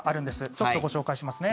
ちょっとご紹介しますね。